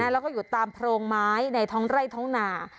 แล้วก็อยู่ตามโพรงไม้ในท้องไร่ท้องหนา